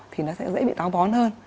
thì nó sẽ dễ bị táo bón hơn